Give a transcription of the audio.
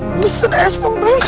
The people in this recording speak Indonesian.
besen es mau baik